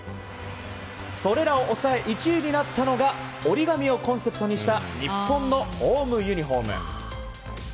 それらを抑え１位になったのが折り紙をコンセプトにした日本のホームユニホーム。